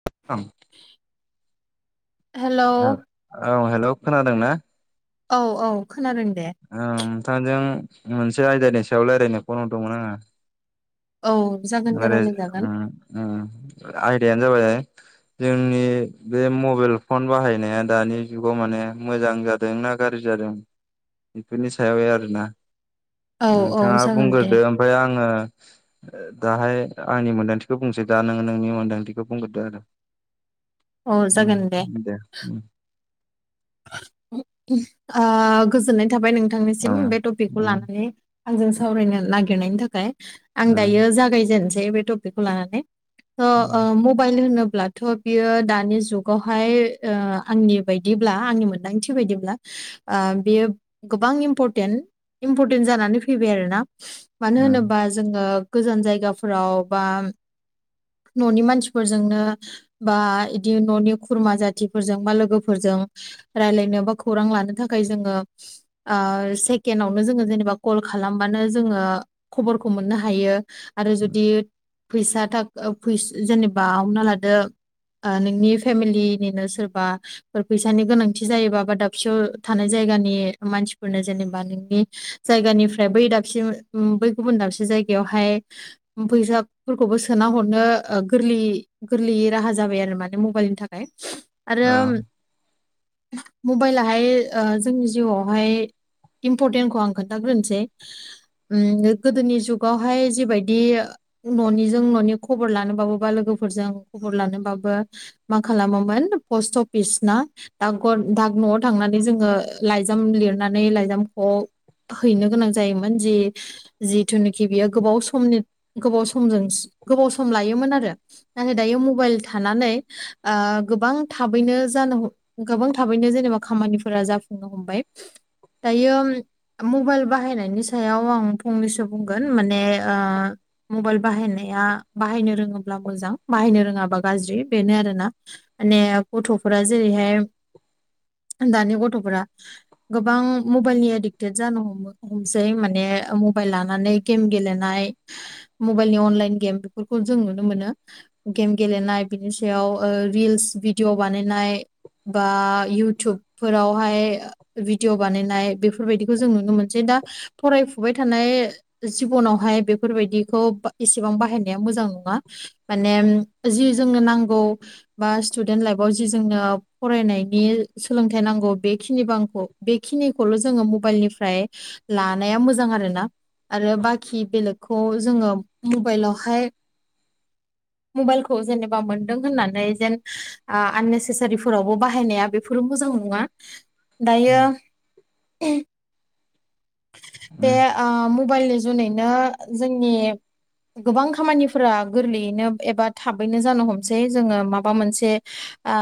[unintelligible] Hello ओ औ hello खोनादों ना औ औ खोनादों दे नोंथांजों मोनसे आयदानि सायाव रायलायनो फन हरदोंमोन आङो औ जागोन दे रायलायजागोन उम उम आइदायानो जाबाय जोंनि बे मबेइल फन बाहायनाया दानि जुगाव माने मोजां जादोंना गाज्रि जादों बेफोरनि सायाव आरोना औ औ नोंथाङा जागोन दे बुंगोरदो ओमफाय आङो दाहाय आंनि मोन्दांथिखौ बुंसै दा नोङो नोंनि मोन्दांथिखौ बुंग्रोदो आरो अ जागोन दे आ गोजोननाय थाबाय औ नोंथांनिसिम बे टपिकखौ लानानै, आंजों सावरायनो नागिरनायनि थाखाय । आं दायो जागायजेननोसै बे टपिकखौ लानानै थ' मबाइल होनोब ब्लाथ' बियो दानि जुगावहाय ओ आंनि बायदिब ब्ला आंनि मोन्दांथि बायदिब्ला ओ बेयो गोबां इम्परटेन्ट इम्परटेन्ट जानानै फैबाय आरो ना मानो होनोबा जोङो गोजान जायगाफोराव बा न'नि मानसिफोरजोंनो बा इदि न'नि खुरमा जाथिफोरजों बा लोगोफोरजों रायलायनो बा खौरां लानो थाखाय जोङो ओ सेकेन्ड आवनो जोङो जेनेबा कल खा खालामबानो जोङो खबरखौ मोननो हायो आरो जुदि फैसा थाख फैस जेनेबा हमना लादो । ओ नोंनि फेमिलिनिनो सोरबाफोर फैस सानि गोनांथि जायोबा बा दाबसेयाव थानाय जायगानि मानसिफोरनो जेनेबा नोंनि जायगानि। निफ्राय बै दाबसेयाव उम बै गुबुन दाबसे जायगायावहाय, फैसा फोरखौबो सोना हरनो ओ -ओ गोरलैयै गोरलैयै राहा जाबाय आरो माने मबाइलनि थाखाय, आरो मबाइलाहाय ओ जोंनि जिउआवहाय इम्परटेन्टखौ आं खोन्थाग्रोनोसै । उम गोदोनि जुगावहाय जेबायदि न'निजों न'नि खबर लानबाबो बा लोगो फोरजों खबर लानोबाबो मा खालामोमोन पस्ट अफिस ना। दाग गर दाग न'आव थांनानै जोङो लाइजाम लिरनानै लाइजामख'आव हैनो गोनां जायोमोन जि जिथुनिखि बियो गोबाव समनि गोबाव समजोंस गोबाव सम लायोमोन आरो, नाथाय दायो मबाइल थानानै ओ गोबां थाबैनो ज जानो ह गोबां थाबैनो जेनेबा खामानिफोरा जाफुंनो हमबाय दायोउम । मबाइल बाहायनायनि सायाव आं फंनैसो बुंगोन माने ओ मबाइल बाहायनाया आ बाहायनो रोङोब्ला मोजां बाहायनो रोङाबा गाज्रि बेनो आरोना मान गथ'फोरा । जेरैहाय [unintelligible] दानि गथ'फोरा गोबां मबाइलनि एडिक्टेड जानो हमो हमसै माने मबाइल लानानै गेम गेलेनाय मबाइलनि अनलाइन गेम बेफोरखौ जों नुनो मोनो गेम गेलेनाय बिनि सायाव ओ रिल्स भिडिअ' बानायनाय। बा इउटुबफोरावहाय भिडिअ 'बानायनाय बेफोरबायदिखौ जों नुनो मोनसै दा । फरायफुबाय थानाय जिबनावहाय बेफोरबायदिखौ बा एसेबां बाहायनाया मोजां नङा माने जि जोंनो नांगौ बा स्टुडेन्ट लाइफआव जि जोंनो फरायनायनि सोलोंथाइ नांगौ बेखिनि बांखौ बेखिनिखौल' जोङो मबाइलनिफ्राय लानाया मोजां आरो ना। आरो बाखि बेलेगखौ जोङो मबाइलावहाय मबाइलखौ जेनेबा मोनदों होननानै जेन आननेसा फोरावबो बाहायनाया बेफोरो मोजां नङा, दायो [unintelligible] बे ओ मबाइलनि जुनैनो जोंनि गोबां खामानिफोरा गोरलैयैनो एबा थाबैनो जानो हमसै जोङो माबा मोनसे आ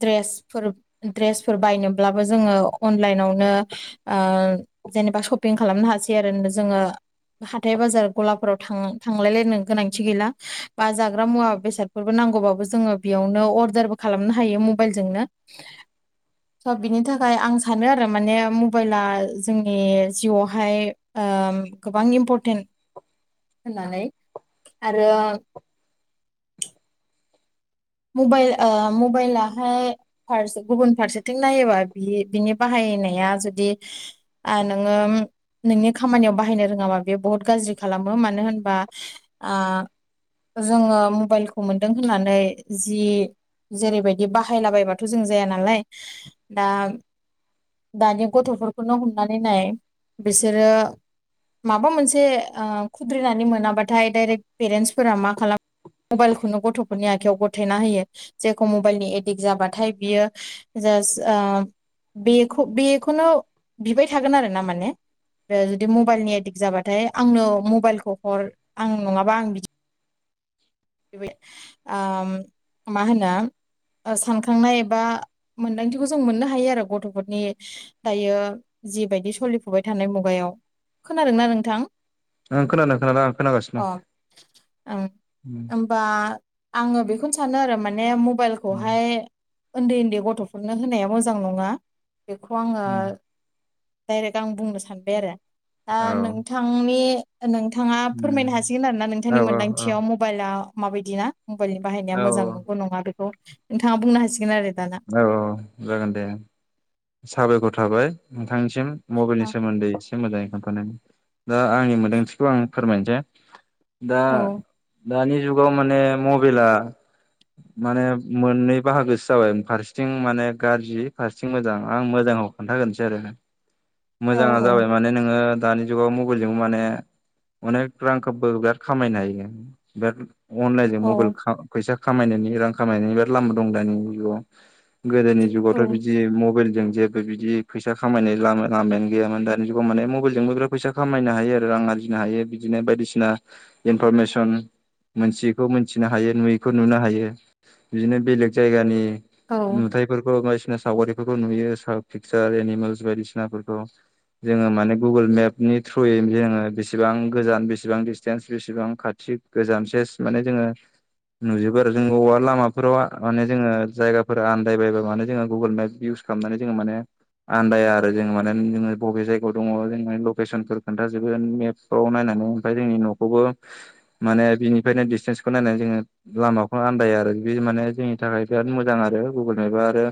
द्रेसफोर ड्रेसफोर बायनोब्लाबो जोङो अनलाइनावनो। जेनेबा सपिं खालामनो हासै आरो जोङो हाथाय बाजार गलाफोराव थां थांलायलायनो गोनांथि गैला, बा जाग्रा मुवा बेसादफोरबो नांगौ नांगौबाबो जोङो बेयावनो अरदारबो खालामनो हायो मबाइलजोंनो । स' बिनि थाखाय आं सानो आरो माने, ओ मबाइला जोंनि जिउआवहाय ओम गोबां इम्परटेन्ट होननानै आरो मबाइल ओ मबाइलाहाय फारसे गुबुन फारसेथिं नायोबा बि बिनि बाहाय नाया जुदि ओ नोङो नोंनि खामानियाव बाहायनो रोङाबा बेयो बुहुत गाज्रि खालामो मानो होनबा ओ जोङो मबाइलखौ मोनदों होननानै जि जेरैबायदि बाहायलाबायबाथ' जों जाया नालाय दा दानि गथ'फोरखौनो हमनानै नाय बिसोरो माबा मोनसे ओ खुद्रिनानै मोनाबाथाय डाइरेक्ट पेरेन्टसफोरा मा खालाम मबाइलखौनो गथ'फोरनि आखायाव ग थायना होयो जेखौ मबाइलनि एडिक्ट जाबाथाय बियो जास ओ बेखौ बेखौनो बिबाय थागोन आरो ना माने जुदि मबाइलनि एडिक्ट जाबाथाय आंनो मबाइलखौ हर आं नङाबा आं बिदि ओ मा होनो ओ सानखांनाय एबा मोनदांथिखौ जों मोननो हायो आरो गथ'फोरनि दायो जिबायदि सोलिफुबाय थानाय मुगायाव। खोनादोंना नोंथां? ओं खोनानो खोनादों आं खोनागासिनो दं ओम। ओमबा आङो बेखौनो सानो आरो माने उम मबाइलखौहाय ओनदै ओनदै गथ'फोरनो होनाया मोजां नङा बेखौ आङो उम डाइरेक्ट आं बुंनो सानबाय आरो दा औ नोंथांनि नोंथाङा फोरमायनो उम हासिगोन आरो ना औ नोंथांनि मोन्दांथियाव मबाइला माबायदि ना। मबाइलनि बाहायनाया औ मोजां नंगौ नङा बेखौ नोंथाङा बुंनो हासिगोन आरो। दाना औ औ जागोन दे साबायखर थाबाय। नोंथांनिसिम मबाइलनि औ सोमोन्दै एसे मोजाङै खो [unintelligible] दा आंनि मोनदांथिखौ आं फोरमायनोसै दा औ दानि जुगाव माने मबाइला माने मोननै बाहागोसो जाबाय फारसेथिं माने गाज्रि फारसेथिं मोजां आं मोजाङाव खोन्थाग्रोनोसै आरो औ मोजाङा जाबाय माने नोङो दानि जुगाव मबाइलजों माने अनेक रांखौबो बिराद खामायनो हायो बिराद अनलाइनजों औ मबाइल खा फैसा खामायनायनि रां खामायनायनि लामा दं दानि जुगाव। गोदोनि औ जुगावथ' बिदि मबाइल जों जेबो बिदि फैसा खामायनाय लामा लामायानो गैयामोन दानि जुगाव माने मबाइलजोंबो बिराद फैसा खामायनो हायो आरो। रां आरजिनो हायो बिदिनो बायदिसिना इनफरमेसन मोनथियैखौ मोनथिनो हायो नुयैखौ नुनो हायो बिदिनो बेलेग जायगानि औ नुथायाइफोरखौ बायदिसिना सावगारिफोरखौ नुयो चारप पिकसार एनिमेल्स बायदिसिनाफोरखौ। जोङो माने गुगोल मेपनि थ्रुयै जोङो बेसेबां गोजान बेसेबां दिडिसटेन्स बेसेबां खा थि गोजानसेस माने जोङो नुजोबो आरो जों अबबा लामाफोराव माने जोङो जायगा फोर आनन्दायबायबब्ला माने जोङो गुगोल मेप इउस खालामनानै जोङो माने आन्दाया आरो जोङो माने जोङो बबे जायगायाव दङ जों माने लकेसनफोर खोन्थाजोबो मेपफ्राव नायनान ओमफ्राय जोंनि न'खौबो माने बिनिफ्रायनो डिसटेन्सखौ नायनानै जोङो लामाखौनो आनन्दाया आरो। बे माने जोंनि थाखाय बिराद मोजां आरो गुगोल मेपा आरो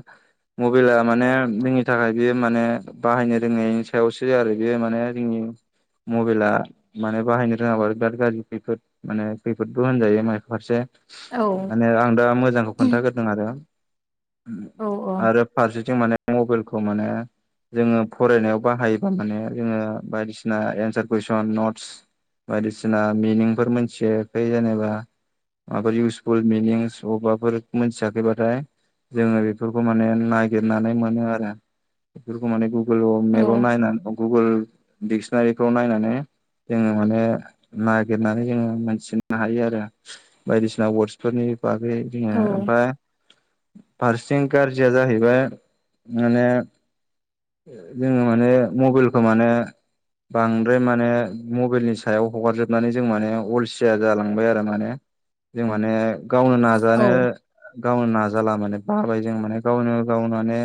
मबाइला माने जोंनि थाखाय बेयो माने बाहायनो रोंनायनि सायावसो आरो बेयो माने जोंनि मबाइला माने बाहायनो रोङाब्ला बिराद गाज्रि खैफोद माने खैफोदबो होनजायो माइ फारसे औ माने आं दा मोजांखौ खोन्थाग्रोदों आरो। औ आरो फारसेथिं माने मबाइलखौ माने जोङो फरायनायाव बाहायोबा माने जोङो बायदिसिना एन्सार कुइसन नट्स बायदिसिना मिनिंफोर मिथियाखै जेनेबा माबाफोर इउसफुल मिनिंस अबबाफोर मिथियाखैबाथाय जोङो बेफोरखौ माने नागिरनानै मोनो आरो बेफोरखौ माने गुगोल औ मेप नायनानै गुगोल डिक्सनारिफ्राव नायनानै जोङो माने नागिरनानै जोङो मोनथिनो हायो आरो बायदिसिना वर्डसफोरनि बागै जोङो ओमफाय फारसेथिं गाज्रिया जाहैबाय माने जोङो माने मबाइलखौ माने बांद्राय माने मबाइलनि सायाव हगारजोबनानै जों माने अलसिया जालांबाय आरो माने जों माने गावनो नाजानो गावनो ना जाला माने बाबाय जों माने गावनो गावनो माने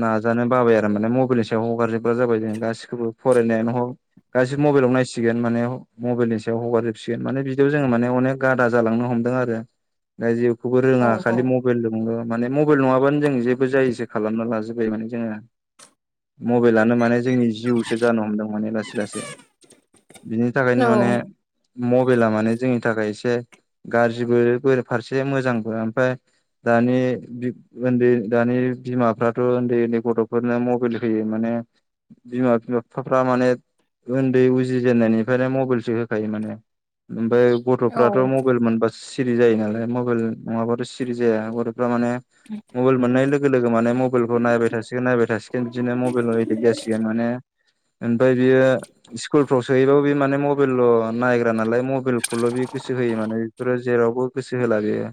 नाजानो बाबाय आरो माने मबाइलनि सायाव हगारजोबग्रा जाबाय जों गासिखौबो फरायनायानो हक गासैबो मबाइलाव नायसिगोन माने मबाइलनि सायाव हगारजोबसिगोन माने बिदियाव जोङो माने अनेक गादा जालांनो हमो हमदों आरो दा औ जेबोखोनोरोङा खालि मबायल माने मबाइल नङाबानो जों जेबो जायिसो खालामना लाजोबबाय माने जोङो मबाइलानो माने जोंनि जिउसो जानो हमदों माने लासै लासै बिनि थाखायनो माने मबाइला माने जोंनि थाखाय एसे गाज्रिबो बा फारसे मोजांबो ओमफ्राय दानि उन्दै दानि बिमाफ्राथ' उन्दै उन्दै गथ'फोरनो मबाइल होयो माने बिमा बिफाफ्रा माने उन्दै उजि जेननायनिफ्राय मबाइलसो होखायो माने ओमफ्राय औ गथ'फ्राथ' मबाइल मोनबा सिरि जायो नालाय मबाइल नङाबाथ' सिरि जाया माने मबाइल मोननाय लोगो माने मबाइल खौ नायबाय थसिगोन नायबाय थासिगोन बिदिनो मबाइलाव एदिक जासि गोन माने ओमफ्राय बियो स्कुलफ्राव सोहैबाबो बे माने मबाइल' नायग्रा नालाय मबाइलखौल' बे गोसो होयो बेफोरो जेरावबो गोसो होला बेयो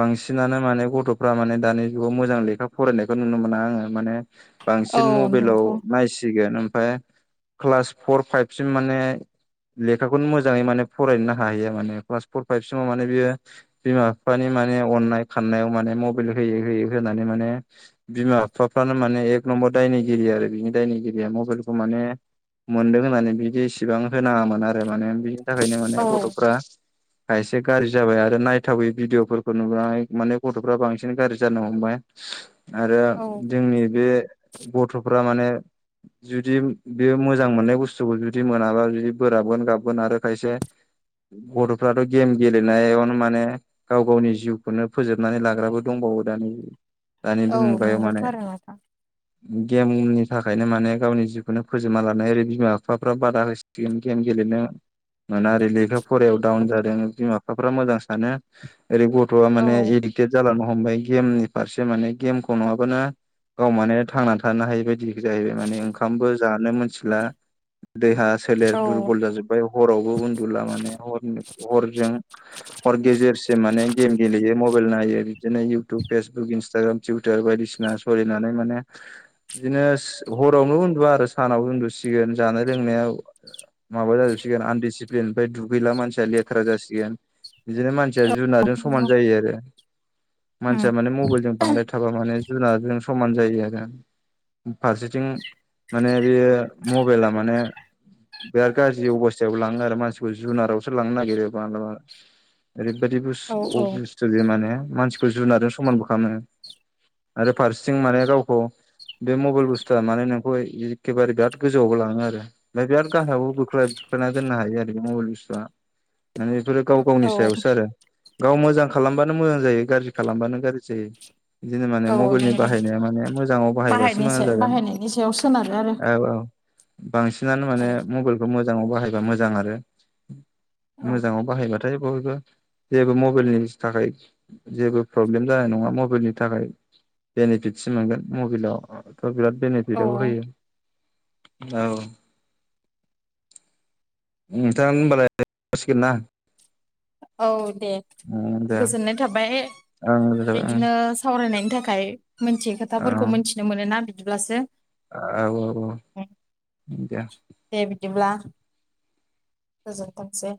बांसिनानो माने गथ'फ्रा माने दानि जुगाव मोजां लेखा फरायनायखौ नुनो मोना आङो माने औ बांसिन मबाइलाव नंगौ नायसिगोन ओमफ्राय क्लास फर फाइभसिम माने लेखाखौनो मोजाङै माने फरायोननो हाहैया माने क्लास फर फाइभसिमाव माने बियो बिमा बिफानि माने अनय खानायाव माने मबाइल होयै होयै होनानै माने बिमा बिफाफोरानो माने एखनमबर दायनिगिरि आरो बिनि दायनिगिरिया मबाइलखौ माने मोनदों होननानै बिदि इसेबां होनाङामोन आरो माने बि थाखायनो माने औ गथ'फ्रा एसे गाज्रि जाबाय आरो नायथावयै भिडिअफोरखौ फोर नुबाय माने गथ'फ्रा बांसिन गाज्रि जानो हमबाय आरो औ जोंनि बे गथ'फ्रा माने जुदि बियो मोजां मोननाय बुस्थुखौ जुदि मोनाबा जुदि बोराबगोन गाबगोन आरो खायसे गथ'फ्राथ' गेम गेलेनायावनो माने गाव गावनि जिउखौनो फोजोबनानै लाग्राबो दंबावो दानि दानि बे औ मुगायाव माने नंगौथ' आरो नोंथां गेमनि थाखायनो माने गावनि जिउखौनो फोजोबना लानाय ओरै बिमा बिफाफ्रा बादा हो गेम गेलेनो मोना ओरै लेखा फरायायाव डाउन जादों बिमा बिफाफ्रा मोजां सानो ओरै गथ' थ'आ औ माने इदिकटेत जालांनो हमबाय गेमनि फारसे माने गेमखौ नङाबानो गाव मान थांनानै थानो हायि बायदि जाहैबाय माने ओंखामबो जानो मोनथिला देहा सोलेर औ दुरबल जाजोब्बाय हरावबो उन्दुला माने ह हरजों गेजेरसे माने गेम गेलेयो मबाइल नायो बिदिनो इउटुब फेसबुक इनसटाग्राम टुइटार बायदिसिना सोलिनानै माने बिदिनो हरावनो उन्दुा आरो सानावबो उन्दुसिगोन जानाय लोंनायाव माबा जोबसिगोन आनडिसिप्लिन ओमफ्राय दुगैला मानसिया लेथ्रा जासिगोन बिदिनो मानसिया जु समान जायो आरो उम मानसिया माने मबाइलजों बांद्राय थाबा माने जुनारजों समान जायो आरो फारसेथिं माने बेयो मबाइला माने बिराद गाज्रि अबस्थायावबो लाङो आरो मानसिखौ जुनारावसो लांनो नागिरो मालाबा ओरैबादि औ अ औ बुस्थु जे माने मानसिखौ जुनारजों समानबो खालामो आरो फारसेथिं माने गावखौ बे मबाइल बुस्थुआ माने नोंखौ एखेबारे बिराद गोजौआवबो लाङो आरो ओमफ्राय बिराद गाहायावबो बोख्लाय खोना दोननो हायो आरोखि मबाइल बुस्सुआ माने बेफोरो गाव गावनि औ सायावसो आरो गाव मोजां खालामबानो मोजां जायो गाज्रि खालामबानो गाज्रि जायो बिदिनो माने औ मबेलनि नंगौ बाहायनाया माने मोजाङाव बाहायबासो बाहायनि मोजां सायाव जागोन बाहायनायनि सायाव सोनारो औ औ बांसिनानो माने आरो मबेलखौ मोजाङाव बाहायबा मोजां आरो औ मोजाङाव बाहायबा थ' [unintelligible] जेबो मबेलनिस थाखाय जेबो प्रब्लेम जानाय नङा मबेलनि थाखाय बेनिफिटसो मोनगोन मबेलावथ' बिराद औ बेनिफिटआव होयो औ नोंथां होनबालाय जासिगोन ना औ दे दे गोजोननाय थाबाय ओं [unintelligible] फरायनायनि थाखाय मोनथियै खोथाफोरखौ मोनथिनो मोनोना बिदिब्लासो औ औ औ दे दे बिदिब्ला गोजोनथोंसै